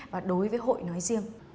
và đối với hội nói riêng